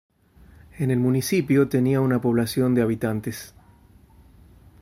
En el municipio tenía una población de habitantes.